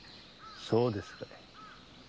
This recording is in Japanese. そうですか。